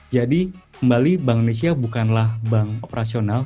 jadi kembali bank indonesia bukanlah bank operasional